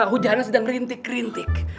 hujannya sedang rintik rintik